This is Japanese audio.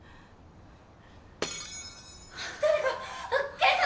誰か警察！